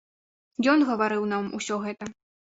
Ён гаварыў нам усё гэта.